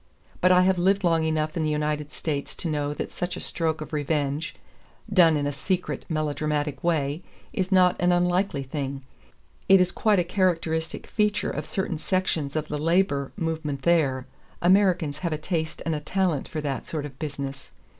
But I have lived long enough in the United States to know that such a stroke of revenge, done in a secret, melodramatic way, is not an unlikely thing. It is quite a characteristic feature of certain sections of the labor movement there. Americans have a taste and a talent for that sort of business.